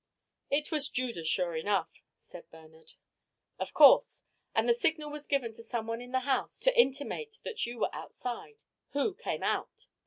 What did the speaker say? "It was Judas sure enough," said Bernard. "Of course. And the signal was given to someone in the house to intimate that you were outside. Who came out?"